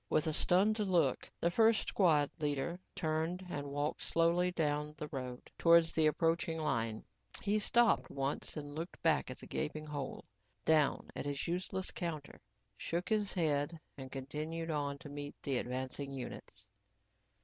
With a stunned look, the first squad leader turned and walked slowly down the road towards the approaching line. He stopped once and looked back at the gaping hole, down at his useless counter, shook his head and continued on to meet the advancing units.